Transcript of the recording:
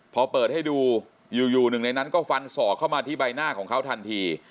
พอเปิดให้ดูอยู่หนึ่งในนั้นก็ฟันศอกเข้ามาที่ใบหน้าของเขาทันที